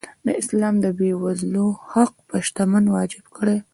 اسلام د بېوزلو حق په شتمن واجب کړی.